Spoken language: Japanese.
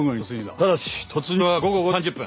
ただし突入は午後５時３０分。